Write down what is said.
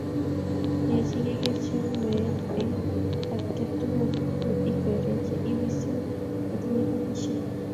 Yachei kekeer cheu meet eng agetukul ne ikwerie che ibisie kotinye kenyisiek